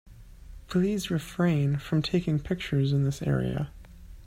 Please refrain from taking pictures in this area.